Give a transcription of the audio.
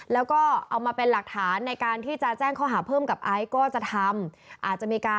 แล้วก็เอามาเป็นหลักฐานในการที่จะแจ้งข้อหาเพิ่มกับไอ้ก็จะทำ